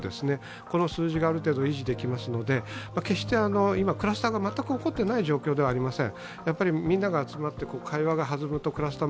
この数字がある程度意地できますので、決してクラスターが起こっていない状況ではありません。